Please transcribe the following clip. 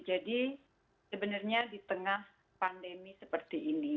jadi sebenarnya di tengah pandemi seperti ini